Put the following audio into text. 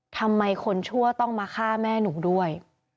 ทำไมคนชั่วต้องมาฆ่าแม่หนูด้วย